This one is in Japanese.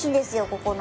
ここの。